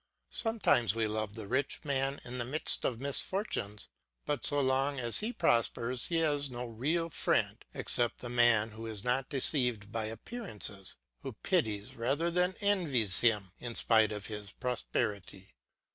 Sometimes we love the rich man in the midst of misfortunes; but so long as he prospers he has no real friend, except the man who is not deceived by appearances, who pities rather than envies him in spite of his prosperity.